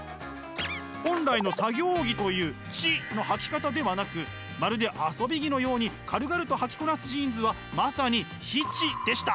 本来の作業着という知のはき方ではなくまるで遊び着のように軽々とはきこなすジーンズはまさに非−知でした。